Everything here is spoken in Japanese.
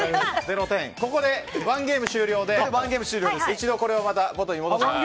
ここで１ゲーム終了で一度、これを元に戻します。